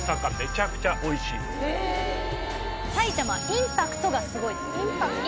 埼玉はインパクトがすごいです。